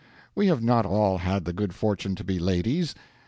We have not all had the good fortune to be ladies.